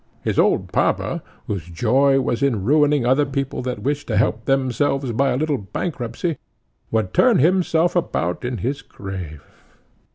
His old papa, whose joy was in ruining other people that wished to help themselves by a little bankruptcy, would turn himself about in his grave."